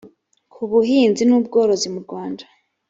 ku buhinzi n ubworozi mu rwanda